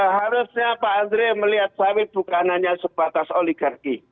harusnya pak andre melihat sawit bukan hanya sebatas oligarki